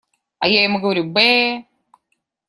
А я ему говорю: «Бэ-э!»